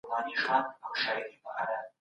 مطالعه د شخصيت جوړونې سبب ګرځي.